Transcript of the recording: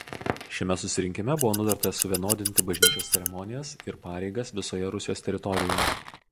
Šiame susirinkime buvo nutarta suvienodinti bažnyčios ceremonijas ir pareigas visoje Rusijos teritorijoje.